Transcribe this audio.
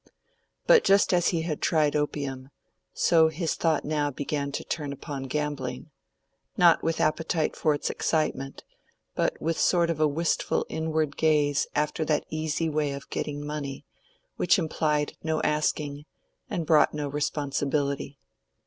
But just as he had tried opium, so his thought now began to turn upon gambling—not with appetite for its excitement, but with a sort of wistful inward gaze after that easy way of getting money, which implied no asking and brought no responsibility.